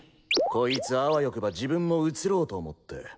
こいつあわよくば自分も写ろうと思って。